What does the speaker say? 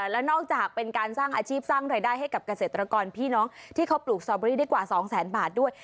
แล้วนอกจากเป็นการสร้างอาชีพสร้างรายได้ให้กับเกษตรกรพี่น้องที่เขาปลูกสตอเบอรี่ได้กว่า๒แสนบาทด้วย